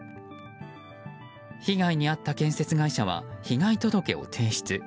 被害に遭った建設会社は被害届を提出。